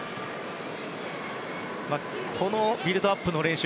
このビルドアップの練習